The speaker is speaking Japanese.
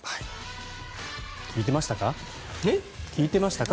聞いてましたか？